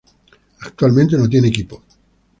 Actualmente no tiene equipo.